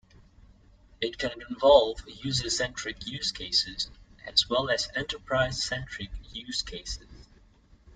It can involve user-centric use-cases, as well as enterprise-centric use-cases.